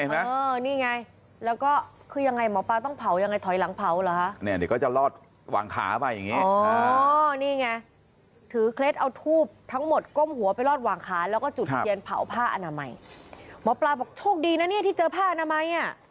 หมอปลาบอกโชคดีนะเนี่ยที่เจอผ้าอนามัย